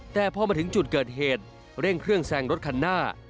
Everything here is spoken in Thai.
แต่พอมาถึงจุดเกิดเหตุเร่งเครื่องแซงรถคันหน้า